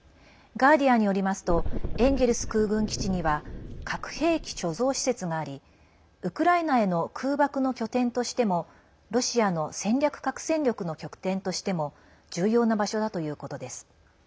ガーディアンによりますとエンゲルス空軍基地には核兵器貯蔵施設がありウクライナへの空爆の拠点としてもロシアの戦略核戦力の拠点としても重要な場所だということです。